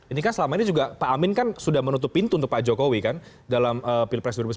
ini kan selama ini juga pak amin kan sudah menutup pintu untuk pak jokowi kan dalam pilpres dua ribu sembilan belas